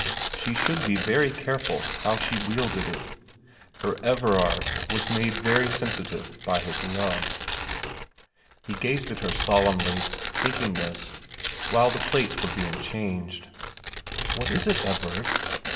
She should be very careful how she wielded it. Her Everard was made very sensitive by his love. He gazed at her solemnly, thinking this, while the plates were being changed. ' What is it, Everard